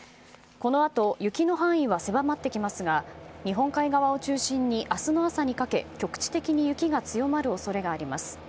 このあと、雪の範囲は狭まってきますが日本海側を中心に明日の朝にかけ局地的に雪が強まる恐れがあります。